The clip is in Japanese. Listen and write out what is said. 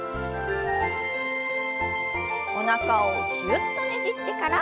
おなかをぎゅっとねじってから。